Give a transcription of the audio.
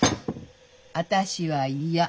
私は嫌。